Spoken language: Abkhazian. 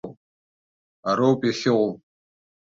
Ароуп иахьыҟоу.